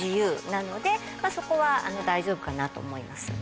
まぁそこは大丈夫かなと思います。